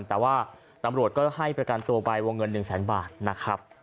แต่ว่าตำรวจก็ให้ประกันตัวไปวงเงิน๑แสนบาทนะครับ